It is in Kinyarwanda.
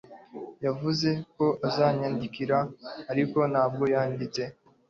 yavuze ko azanyandikira, ariko ntabwo yanditse